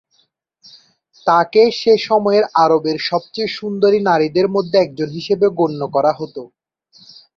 তাকে সে সময়ের আরবের সবচেয়ে সুন্দরী নারীদের মধ্যে একজন হিসেবে গণ্য করা হতো।